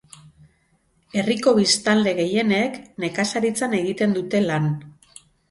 Herriko biztanle gehienek nekazaritzan egiten dute lan.